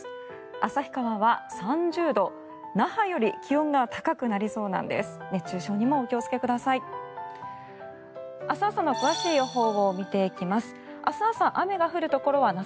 旭川は３０度、那覇より気温が高くなりそうなんです。